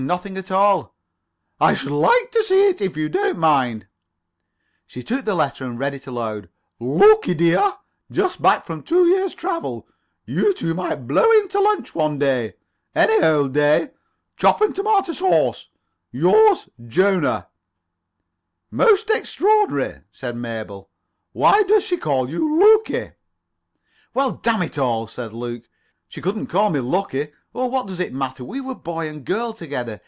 Nothing at all." "I should like to see it, if you don't mind." She took the letter and read aloud: "Lukie, dear. Just back from two years' travel. You two might blow in to lunch one day. Any old day. Chops and tomato sauce. Yours, Jona." "Most extraordinary," said Mabel. "Why does she call you Lukie?" "Well, damn it all," said Luke, "she couldn't call me lucky. Oh, what does it matter? We were boy and girl together.